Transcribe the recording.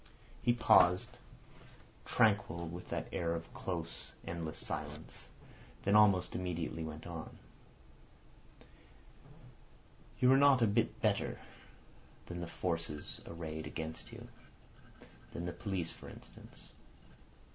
He paused, tranquil, with that air of close, endless silence, then almost immediately went on. "You are not a bit better than the forces arrayed against you—than the police, for instance.